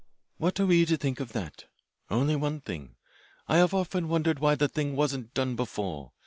"What are we to think of that? Only one thing. I have often wondered why the thing wasn't done before.